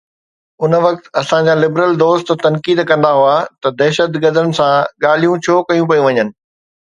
ان وقت اسان جا لبرل دوست تنقيد ڪندا هئا ته دهشتگردن سان ڳالهيون ڇو ڪيون پيون وڃن؟